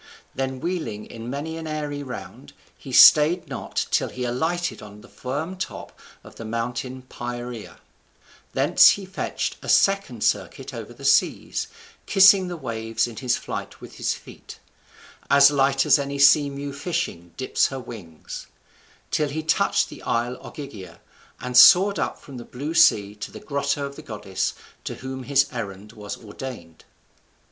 Then wheeling in many an airy round, he stayed not till he alighted on the firm top of the mountain Pieria; thence he fetched a second circuit over the seas, kissing the waves in his flight with his feet, as light as any sea mew fishing dips her wings, till he touched the isle Ogygia, and soared up from the blue sea to the grotto of the goddess to whom his errand was ordained.